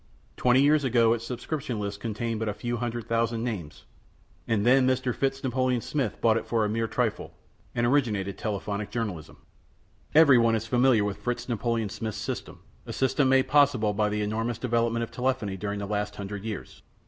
Twenty years ago its subscription list contained but a few hundred thousand names, and then Mr. Fritz Napoleon Smith bought it for a mere trifle, and originated telephonic journalism. Every one is familiar with Fritz Napoleon Smith's system a system made possible by the enormous development of telephony during the last hundred years.